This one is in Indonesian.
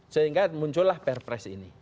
sehingga muncullah perpres ini